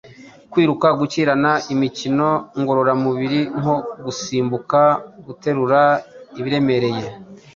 kwiruka, gukirana, imikino ngororamubiri nko gusimbuka, guterura ibiremereye,